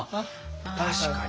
確かに。